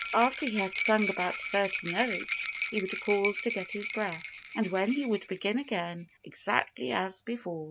After he had sung about thirty notes he would pause to get his breath. And then he would begin again, exactly as before.